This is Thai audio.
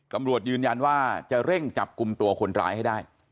ตำรวจยืนยันว่าจะเร่งจับกลุ่มตัวคนร้ายให้ได้